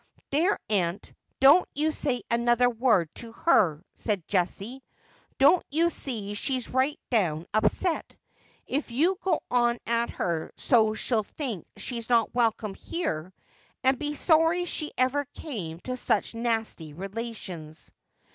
' There, aunt, don't you say another word to her,' said Jessie. ' Don't you see she's right down upset ? If you go on at her so she'll think she's not welcome here, and be sorry she ever came to such nasty relations.'